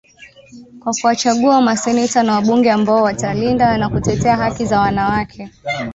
kwa kuwachagua maseneta na wabunge ambao watalinda na kutetea haki za wanawake